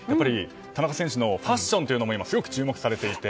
田中選手のファッションもすごく注目されていて。